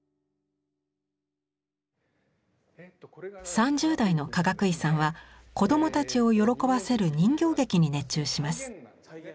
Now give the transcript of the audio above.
３０代のかがくいさんは子どもたちを喜ばせる人形劇に熱中します。